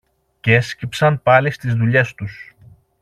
και έσκυψαν πάλι στις δουλειές τους